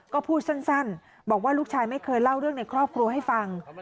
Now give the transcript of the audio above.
ก็พูดสั้นบอกว่าลูกชายไม่เคยเล่าเรื่องในครอบครัวให้ฟัง